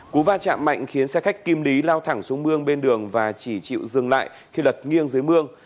cú va chạm mạnh khiến xe khách kim lý lao thẳng xuống mương bên đường và chỉ chịu dừng lại khi lật nghiêng dưới mương